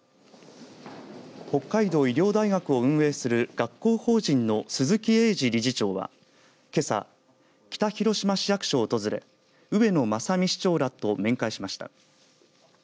北海道医療大学を運営する学校法人の鈴木英二理事長はけさ、北広島市役所を訪れ上野正三市長らと面会しました。